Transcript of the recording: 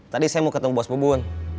tadi saya mau ketemu bos pebun